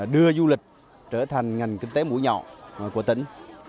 đưa du lịch trở thành ngành kinh tế mũi nhọn của tỉnh